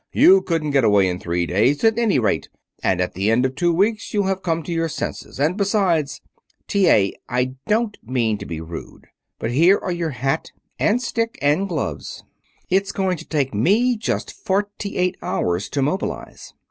You couldn't get away in three days, at any rate. And at the end of two weeks you'll have come to your senses, and besides " "T. A., I don't mean to be rude. But here are your hat and stick and gloves. It's going to take me just forty eight hours to mobilize."